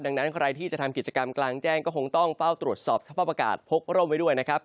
ดังนั้นใครที่จะทำกิจกรรมกลางแจ้งก็คงต้องเฝ้าตรวจสอบสภาพอากาศพกร่มไว้ด้วยนะครับ